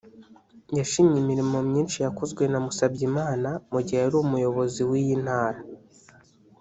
yashimye imirimo myinshi yakozwe na Musabyimana mu gihe yari umuyobozi w’iyi ntara